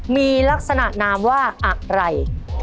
มีลักษณะนามว่าอะไร